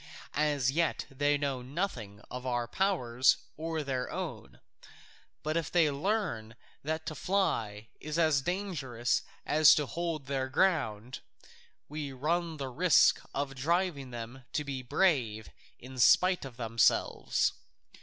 As yet they know nothing of our powers or their own, but if they learn that to fly is as dangerous as to hold their ground, we run the risk of driving them to be brave in spite of themselves.